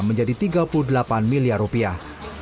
menjadi tiga puluh delapan miliar rupiah